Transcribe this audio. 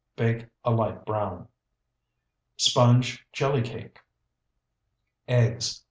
Bake a light brown. SPONGE JELLY CAKE Eggs, 5.